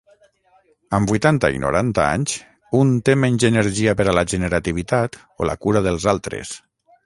Amb vuitanta i noranta anys, un té menys energia per a la generativitat o la cura dels altres.